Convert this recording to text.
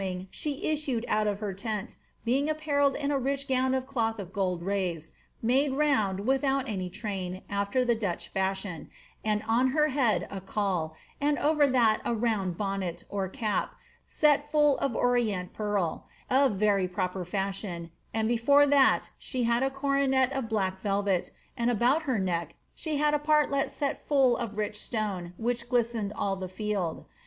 *^ When her grace was advertised of the king^s coming, she issued out of her tent, being apparelled in a rich gown of cloth of gold raised, made round, without any train, after the Dutch fashion, and on her bead a caul, and over that a round bonnet, or cap, set full of orient pearl, of very proper fashion, and before that she had a cornet of black velvet, and about her neck she had a partlet set full of rich stone, which glistened all the field.